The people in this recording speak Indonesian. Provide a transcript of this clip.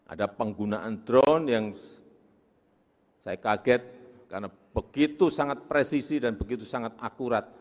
ada penggunaan drone yang saya kaget karena begitu sangat presisi dan begitu sangat akurat